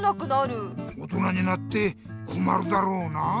大人になってこまるだろうなあ。